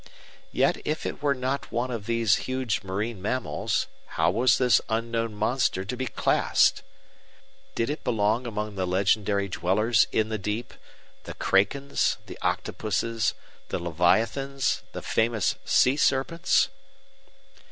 Yet if it were not one of these huge marine mammals, how was this unknown monster to be classed? Did it belong among the legendary dwellers in the deep, the krakens, the octopuses, the leviathans, the famous sea serpents?